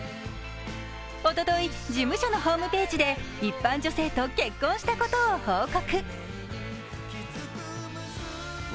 おととい、事務所のホームページで一般女性と結婚したことを報告。